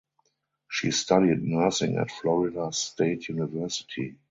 She studied nursing at Florida State University.